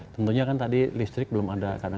tentunya kan tadi listrik belum ada karena